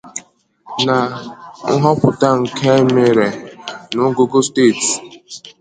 Na nhọpụta nke e mere n'ogoogo steeti